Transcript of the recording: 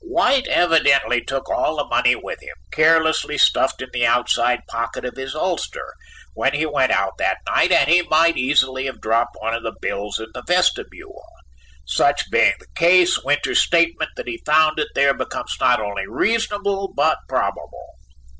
"White evidently took all the money with him, carelessly stuffed in the outside pocket of his ulster, when he went out that night and he might easily have dropped one of the bills in the vestibule: such being the case, Winters's statement that he found it there becomes not only reasonable, but probable."